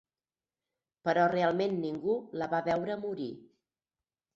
Però realment ningú la va veure morir.